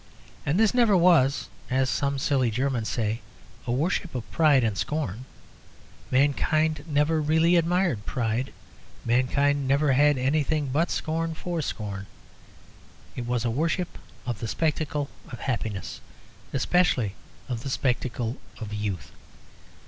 And this never was (as some silly Germans say) a worship of pride and scorn; mankind never really admired pride; mankind never had any thing but a scorn for scorn. It was a worship of the spectacle of happiness; especially of the spectacle of youth.